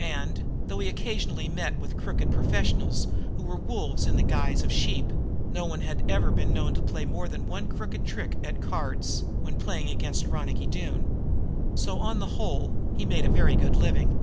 And, though he occasionally met with crooked professionals who were wolves in the guise of sheep, no one had ever been known to play more than one crooked trick at cards when playing against Ronicky Doone. So, on the whole, he made a very good living.